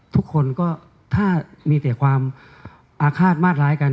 ทุกคนก็ถ้ามีแต่ความอาฆาตมาดร้ายกัน